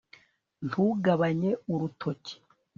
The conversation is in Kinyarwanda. ntugabanye urutoki